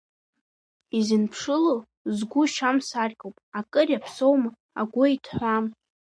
Изынԥшыло згәы шьам саркьоуп, акыр иаԥсоума агәы иҭҳәаам.